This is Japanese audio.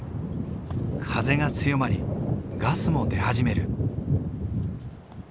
風が強まりガスも出始める。